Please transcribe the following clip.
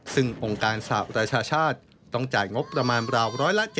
ซึ่งองค์การสหประชาชาติต้องจ่ายงบประมาณราว๑๗๐